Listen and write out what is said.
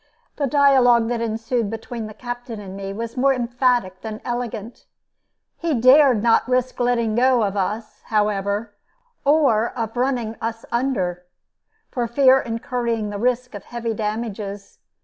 The dialogue that ensued between the captain and me was more emphatic than elegant. He dared not risk letting go of us, however, or of running us under, for fear of incurring the risk of heavy damages.